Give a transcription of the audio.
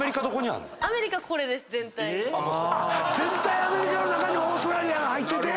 全体アメリカの中にオーストラリアが入ってて。